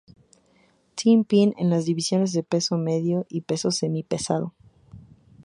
Team Penn" en las divisiones de peso medio y peso semipesado.